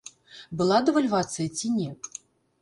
Была дэвальвацыя ці не?